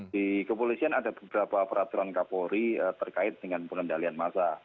di kepolisian ada beberapa peraturan kapolri terkait dengan pengendalian massa